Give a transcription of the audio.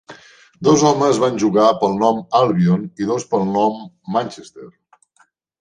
Dos homes van jugar pel nom "Albion" i dos pel nom "Manchester".